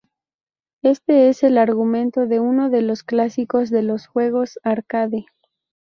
Este es el argumento de uno de los clásicos de los juegos arcade.